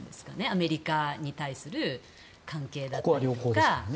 アメリカに対する関係だったりとか。